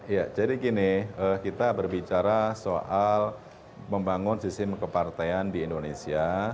ya jadi gini kita berbicara soal membangun sistem kepartean di indonesia